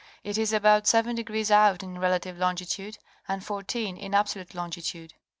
It is about seven degrees out in relative longitude and fourteen in absolute longitude.